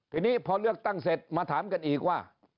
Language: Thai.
ทีนี้พอเลือกตั้งเสร็จมาถามกันอีกว่า